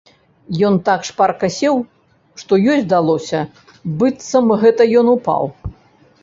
Ён так шпарка сеў, што ёй здалося, быццам гэта ён упаў.